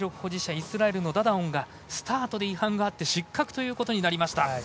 イスラエルのダダオンがスタートで違反があって失格となりました。